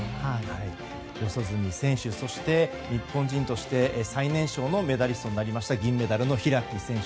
四十住選手そして日本人として最年少のメダリストになりました銀メダルの開選手。